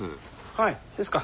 はいですか。